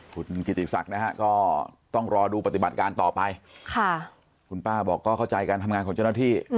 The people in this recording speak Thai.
คุณกิติศักดิ์นะฮะก็ต้องรอดูปฏิบัติการต่อไปคุณป้าบอกก็เข้าใจการทำงานของเจ้าหน้าที่